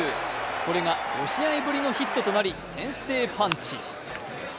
これが５試合ぶりのヒットとなり先制パンチ。